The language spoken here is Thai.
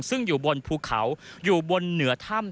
ซึ่งอยู่บนภูเขาอยู่บนเหนือถ้ำ